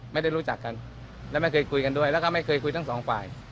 ไม่ได้รู้จักกันและไม่เคยคุยกันด้วยแล้วก็ไม่เคยคุยทั้งสองฝ่าย